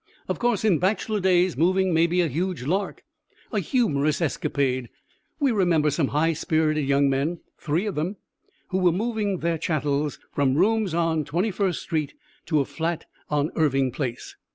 Of course in bachelor days moving may be a huge lark, a humorous escapade. We remember some high spirited young men, three of them, who were moving their chattels from rooms on Twenty first Street to a flat on Irving Place.